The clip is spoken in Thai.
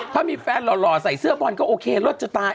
ถ้ามีแฟนหล่อใส่เสื้อบอลก็โอเครถจะตาย